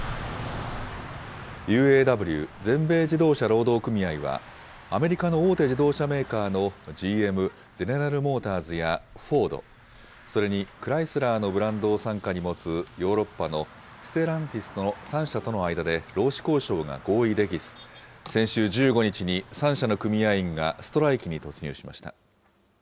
ＵＡＷ・全米自動車労働組合は、アメリカの大手自動車メーカーのＧＭ・ゼネラル・モーターズやフォード、それにクライスラーのブランドを傘下に持つヨーロッパのステランティスの３社との間で労使交渉が合意できず、先週１５日に３社の組合員がストライキに突入しました。